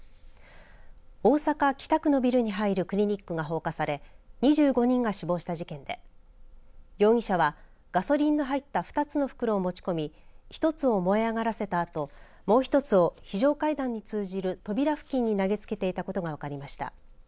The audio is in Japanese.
大阪、北区のビルに入るクリニックが放火され２５人が死亡した事件で容疑者は、ガソリンの入った２つの袋を持ち込み１つを燃え上がらせたあともう１つを非常階段に通じる扉付近に投げつけていたことが分かりました。